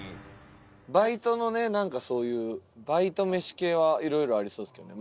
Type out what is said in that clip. バイトのねなんかそういうバイト飯系はいろいろありそうですけどね